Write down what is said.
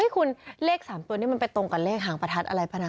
คุณเลข๓ตัวนี้มันไปตรงกับเลขหางประทัดอะไรป่ะนะ